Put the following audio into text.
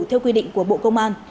theo quy định của bộ công an